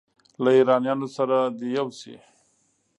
له ایرانیانو سره دې یو شي.